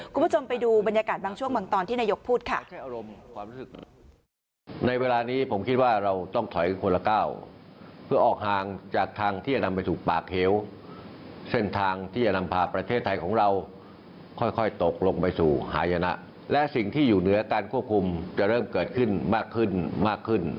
คุณผู้ชมไปดูบรรยากาศบางช่วงบางตอนที่นายกพูดค่ะ